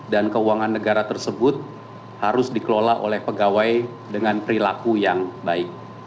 dan keuangan negara tersebut harus dikelola oleh pegawai dengan perilaku yang baik